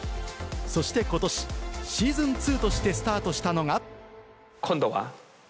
そしてことし、Ｓｅａｓｏｎ２としてスタートしたのが。